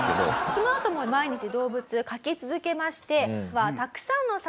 そのあとも毎日動物描き続けまして。